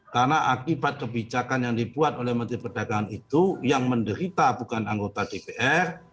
karena akibat kebijakan yang dibuat oleh menteri perdagangan itu yang menderita bukan anggota dpr